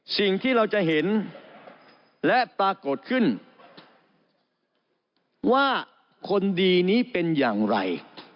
สิ่งที่เราจะเห็นและปรากฏขึ้นว่าคนดีนี้เป็นอย่างไร